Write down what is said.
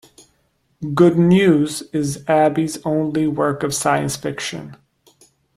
"Good News" is Abbey's only work of science fiction.